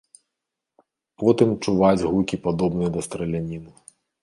Потым чуваць гукі падобныя да страляніны.